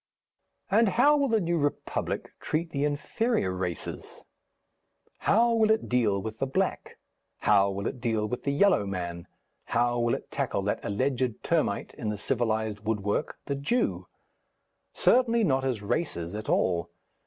And how will the New Republic treat the inferior races? How will it deal with the black? how will it deal with the yellow man? how will it tackle that alleged termite in the civilized woodwork, the Jew? Certainly not as races at all.